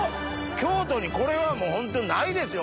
京都にこれはもうホントにないですよ